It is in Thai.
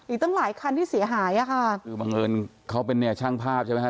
อีกตั้งหลายคันที่เสียหายบางเลยเขาเป็นเนี้ยช่างภาพใช่ไหมคะ